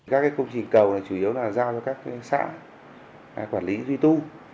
các công trình cầu chủ yếu là giao cho các xã quản lý duy tu